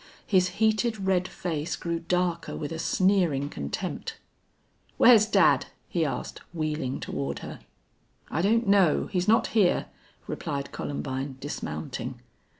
His heated red face grew darker with a sneering contempt. "Where's dad?" he asked, wheeling toward her. "I don't know. He's not here," replied Columbine, dismounting.